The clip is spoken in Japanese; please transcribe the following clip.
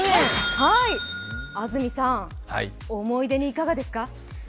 安住さん、思い出にいかがですか？